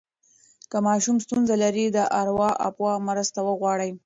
که ماشوم ستونزه لري، د ارواپوه مرسته وغواړئ.